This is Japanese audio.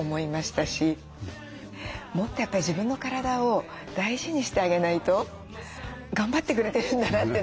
もっとやっぱり自分の体を大事にしてあげないと頑張ってくれてるんだなというのを